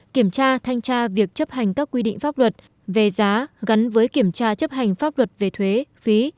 kiểm tra thanh tra việc chấp hành các quy định pháp luật về giá gắn với kiểm tra chấp hành pháp luật về thuế phí